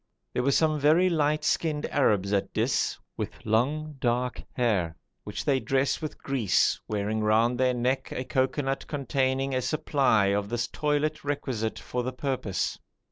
There were some very light skinned Arabs at Dis, with long dark hair, which they dress with grease, wearing round their neck a cocoanut containing a supply of this toilet requisite for the purpose.